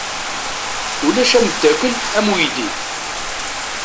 Ulac ameddakel am uydi.